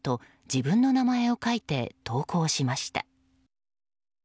自分の名前を書いて投稿しました。